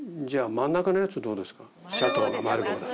じゃあ真ん中のやつどうですか？